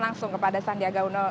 langsung kepada sandi agauno